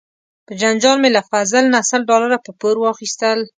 په جنجال مې له فضل نه سل ډالره په پور واخیستل.